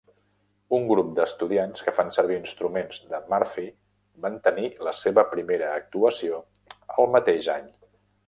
Un grup d'estudiants que fan servir instruments de Murphy van tenir la seva primera actuació el mateix any.